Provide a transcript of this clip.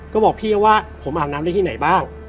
ก็บอกพี่ว่าผมอาบน้ำได้ที่ไหนบ้าง